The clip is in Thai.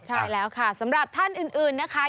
ใช่แล้วค่ะสำหรับท่านอื่นนะคะ